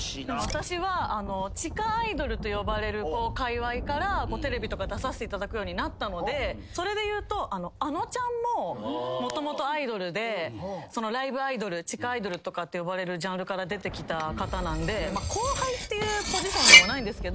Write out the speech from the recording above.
私は地下アイドルと呼ばれるかいわいからテレビとか出させていただくようになったのでそれで言うとあのちゃんももともとアイドルでライブアイドル地下アイドルとかって呼ばれるジャンルから出てきた方なんで後輩っていうポジションでもないんですけど。